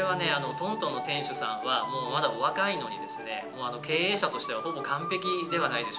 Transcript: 東東の店主さんはまだお若いのにですね経営者としてはほぼ完璧ではないでしょうか。